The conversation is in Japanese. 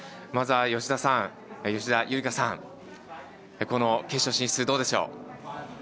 まずは、吉田夕梨花さんこの決勝進出、どうでしょう？